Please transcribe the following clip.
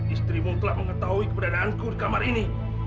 istrimu telah mengetahui keberadaanku di kamar ini